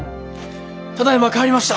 ただいま帰りました。